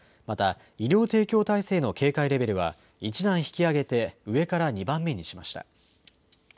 また医療提供体制の警戒レベルは１段引き上げて、上から２番目にしました。